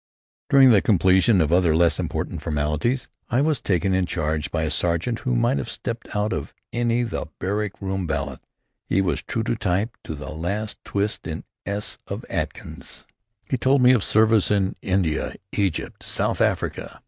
During the completion of other, less important formalities, I was taken in charge by a sergeant who might have stepped out of any of the "Barrack Room Ballads." He was true to type to the last twist in the s of Atkins. He told me of service in India, Egypt, South Africa.